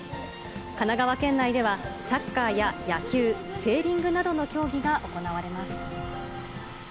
神奈川県内では、サッカーや野球、セーリングなどの競技が行われます。